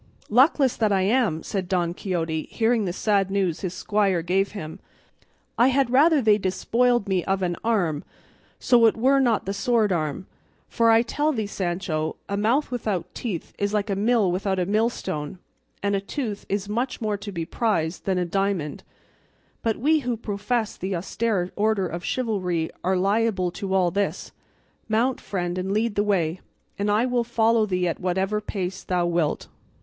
"Luckless that I am!" said Don Quixote, hearing the sad news his squire gave him; "I had rather they despoiled me of an arm, so it were not the sword arm; for I tell thee, Sancho, a mouth without teeth is like a mill without a millstone, and a tooth is much more to be prized than a diamond; but we who profess the austere order of chivalry are liable to all this. Mount, friend, and lead the way, and I will follow thee at whatever pace thou wilt."